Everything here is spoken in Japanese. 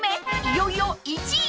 いよいよ１位］